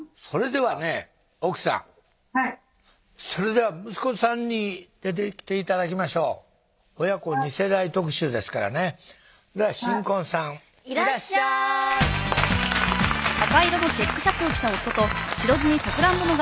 それではね奥さんはいそれでは息子さんに出てきて頂きましょう親子二世代特集ですからねでは新婚さんいらっしゃいアハハハッ